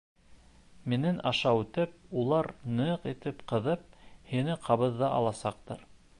Минең аша үтеп, улар ныҡ итеп ҡыҙып, һине ҡабыҙа аласаҡтар.